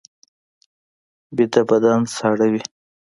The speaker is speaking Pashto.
ویده بدن ساړه وي